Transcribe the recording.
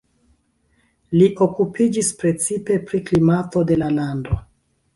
Li okupiĝis precipe pri klimato de la lando.